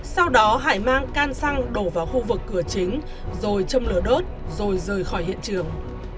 sau đó hải mang can xăng đổ vào khu vực cửa chính rồi châm lửa đốt rồi rời khỏi hiện trường